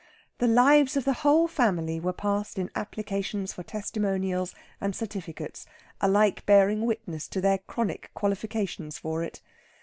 The lives of the whole family were passed in applications for testimonials and certificates, alike bearing witness to their chronic qualifications for it.